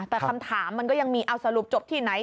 แต่คำถามมันก็ยังมีเอาสรุปจบที่ไหน